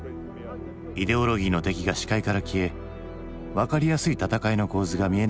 イデオロギーの敵が視界から消え分かりやすい戦いの構図が見えなくなった時代。